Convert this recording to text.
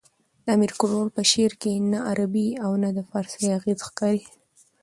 د امیر کروړ په شعر کښي نه عربي او نه د پاړسي اغېزې ښکاري.